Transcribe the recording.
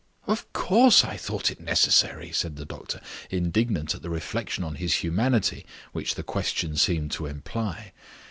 "Of course I thought it necessary!" said the doctor, indignant at the reflection on his humanity which the question seemed to imply.